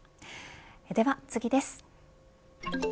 では次です。